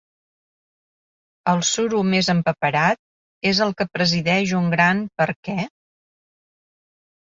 El suro més empaperat és el que presideix un gran Per què?